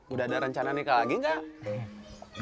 udah ada rencana nikah lagi nggak